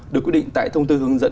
được quyết định tại thông tư hướng dẫn